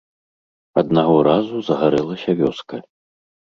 Аднаго разу загарэлася вёска.